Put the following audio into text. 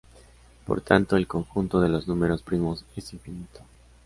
Por tanto, el conjunto de los números primos es infinito.